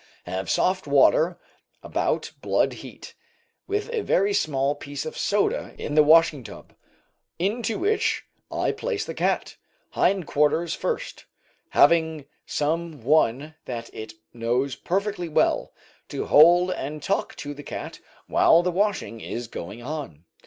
Have soft water about blood heat, with a very small piece of soda in the washing tub, into which I place the cat, hind quarters first, having some one that it knows perfectly well, to hold and talk to the cat while the washing is going on.